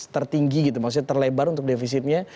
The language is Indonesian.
tertinggi gitu maksudnya terlebar untuk defisitnya